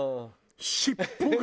尻尾が。